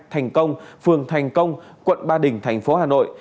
thành công phường thành công quận ba đình thành phố hà nội